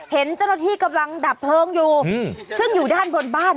เห็นเจ้าหน้าที่กำลังดับเพลิงอยู่ซึ่งอยู่ด้านบนบ้าน